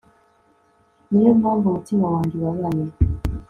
niyo mpamvu umutima wanjye ubabaye